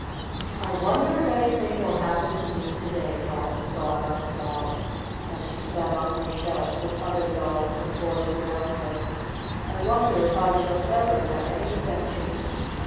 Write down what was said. " I wonder if anything will happen to me to day," thought the Sawdust Doll as she sat on her shelf, with other dolls and toys around her. 6 6 1 wonder if I shall ever have any adventures.